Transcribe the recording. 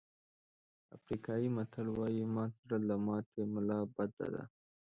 افریقایي متل وایي مات زړه له ماتې ملا بده ده.